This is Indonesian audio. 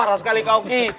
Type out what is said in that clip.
parah sekali kau ki